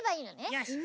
よし。